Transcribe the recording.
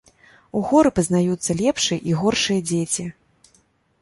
У горы пазнаюцца лепшыя й горшыя дзеці.